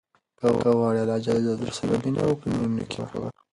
که غواړې اللهﷻ درسره مینه وکړي نو نېکي کوه.